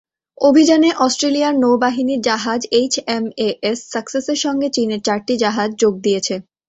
অভিযানে অস্ট্রেলিয়ার নৌবাহিনীর জাহাজ এইচএমএএস সাকসেসের সঙ্গে চীনের চারটি জাহাজ যোগ দিয়েছে।